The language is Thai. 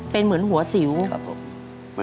เป็นเหมือนหัวสิว